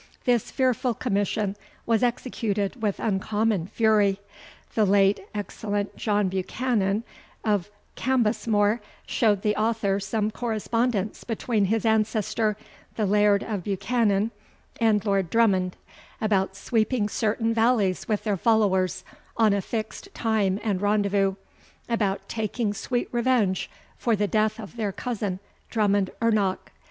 This fearful commission was executed with uncommon fury. The late excellent John Buchanan of Cambusmore showed the author some correspondence between his ancestor, the Laird of Buchanan, and Lord Drummond, about sweeping certain valleys with their followers, on a fixed time and rendezvous, and "taking sweet revenge for the death of their cousin, Drummond ernoch."